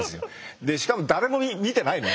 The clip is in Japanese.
でしかも誰も見てないのよ。